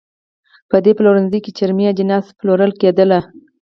په دې پلورنځۍ کې چرمي اجناس پلورل کېدل.